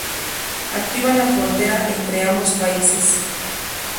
Activa en la frontera entre ambos países.